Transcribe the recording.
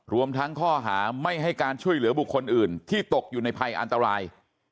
รวมทั้งข้อหาไม่ให้การช่วยเหลือบุคคลอื่นที่ตกอยู่ในภัยอันตราย